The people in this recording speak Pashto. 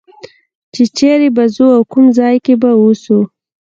چې چېرې به ځو او کوم ځای کې به اوسو.